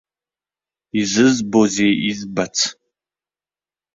Изызбозеи избац?!